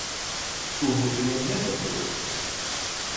Tu nudien nesaproti.